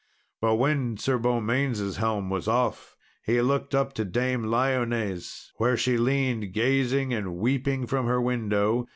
But when Sir Beaumains' helm was off, he looked up to Dame Lyones, where she leaned, gazing and weeping, from her window.